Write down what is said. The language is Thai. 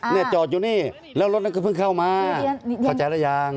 เนี่ยจอดอยู่นี่แล้วรถนั้นก็เพิ่งเข้ามาเข้าใจหรือยัง